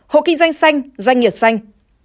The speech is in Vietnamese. hộ kinh doanh xanh doanh nghiệp xanh